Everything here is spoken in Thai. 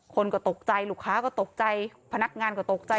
คนก็ตกใจลูกค้าก็ตกใจพนักงานก็ตกใจ